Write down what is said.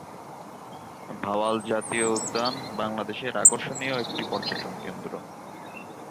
ভাওয়াল জাতীয় উদ্যান বাংলাদেশের আকর্ষণীয় একটি পর্যটন কেন্দ্র।